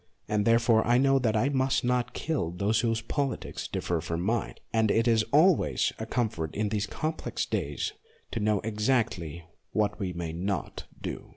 And therefore I know that I must not kill those whose politics differ from mine ; and it is always a comfort in these complex days to know exactly what we may not do.